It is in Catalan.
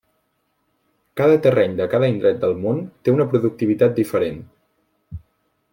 Cada terreny de cada indret del món té una productivitat diferent.